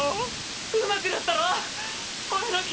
⁉うまくなったろ⁉俺の必殺技！